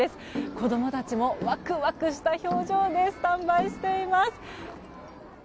子供たちもワクワクした表情でスタンバイしています。